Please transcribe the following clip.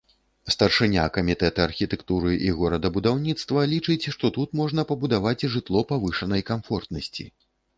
Старшыня камітэта архітэктуры і горадабудаўніцтва лічыць што тут можна пабудаваць жытло павышанай камфортнасці.